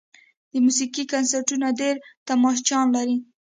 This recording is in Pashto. د موسیقۍ کنسرتونه ډېر تماشچیان لري.